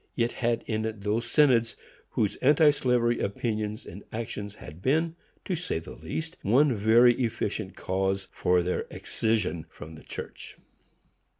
It had in it those synods whose anti slavery opinions and actions had been, to say the least, one very efficient cause for their excision from the church.